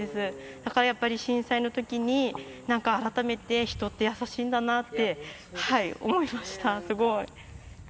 だからやっぱり、震災のときに、なんか改めて、人って優しいんだなって思いました、すごい。